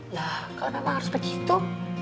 ya kalau memang harus begitu